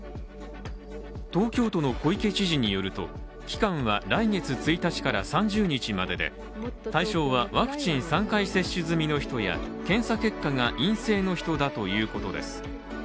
東京都の小池知事によると期間は来月１日から３０日までで対象は、ワクチン３回接種済みの人や、検査結果が陰性の人だということです。